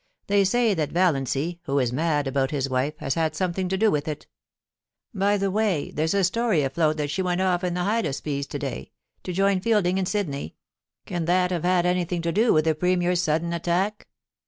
They say that Val iancy, who is mad about his wife, has had something to do with it By the way, there's a story afloat that she went off in the Hydaspes to day, to join Fielding in Sydney — can that have had anything to do with the Premier's sudden attack